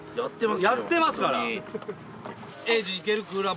やってますから。